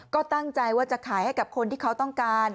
ก็ตั้งใจว่าจะขายให้กับคนที่เขาต้องการ